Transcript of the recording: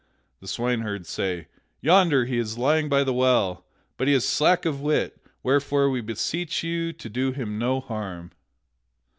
The swineherds say: "Yonder he is lying by the well; but he is slack of wit, wherefore we beseech you to do him no harm."